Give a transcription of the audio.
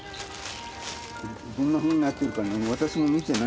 どんなふうになっとるかな？